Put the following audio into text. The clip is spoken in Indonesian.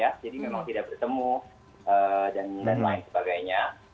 jadi memang tidak bertemu dan lain lain sebagainya